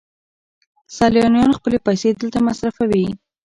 سیلانیان خپلې پیسې دلته مصرفوي.